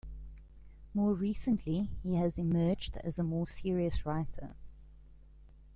More recently he has emerged as a more serious writer.